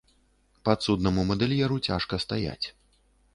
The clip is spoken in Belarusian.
Падсуднаму мадэльеру цяжка стаяць.